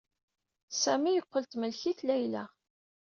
Sami yeqqel temlek-it Layla.